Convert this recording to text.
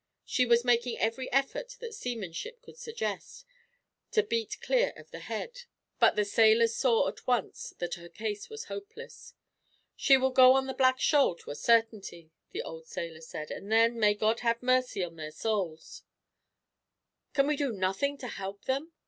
She was making every effort that seamanship could suggest, to beat clear of the head; but the sailors saw, at once, that her case was hopeless. "She will go on the Black Shoal, to a certainty," the old sailor said; "and then, may God have mercy on their souls." "Can we do nothing to help them?"